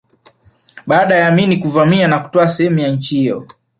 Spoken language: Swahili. Baada ya Amin kuvamia na kutwaa sehemu ya nchi hiyo